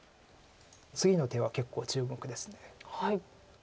次の手は結構注目です。